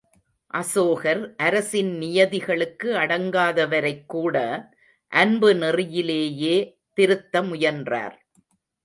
அசோகர் அரசின் நியதிகளுக்கு அடங்காத வரைக் கூட, அன்பு நெறியிலேயே திருத்த முயன்றார்.